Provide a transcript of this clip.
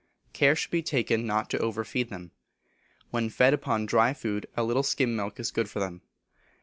Care should be taken not to over feed them. When fed upon dry food a little skim milk is good for them.